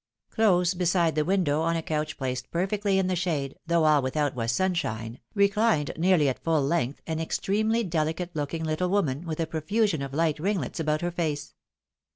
Close beside the window, on a couch placed per fectly in the shade, though all without was sunshine, rechned nearly at full length, an extremely delicate looking little woman, with a profusion of light ringlets about her face.